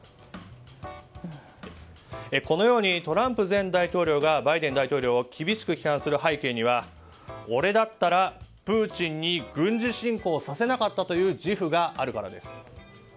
このようにトランプ前大統領がバイデン大統領を厳しく批判する背景には俺だったらプーチンに軍事侵攻をさせなかったという自負があるからです。